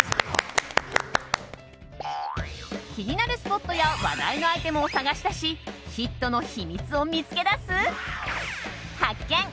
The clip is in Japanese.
気になるスポットや話題のアイテムを探し出しヒットの秘密を見つけ出す発見！